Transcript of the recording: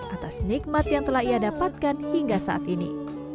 atas nikmat yang telah ia dapatkan hingga saat ini